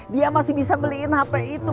dia masih bisa beliin hp itu